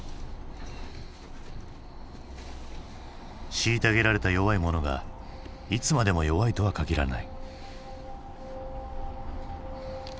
虐げられた弱い者がいつまでも弱いとはかぎらない。